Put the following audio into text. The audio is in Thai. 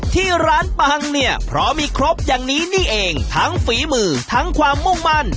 ที่ร้านปังเนี่ยเพราะมีครบอย่างนี้นี่เองทั้งฝีมือทั้งความมุ่งมั่น